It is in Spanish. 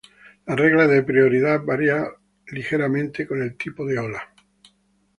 Las reglas de prioridad variar ligeramente con el tipo de ola.